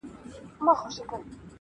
كوم اكبر به ورانوي د فرنګ خونه-